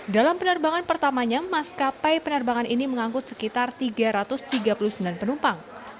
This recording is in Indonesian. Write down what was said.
dalam penerbangan pertamanya maskapai penerbangan ini mengangkut sekitar tiga ratus tiga puluh sembilan penumpang